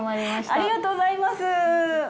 ありがとうございます。